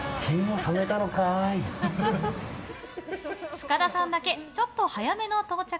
塚田さんだけちょっと早めの到着。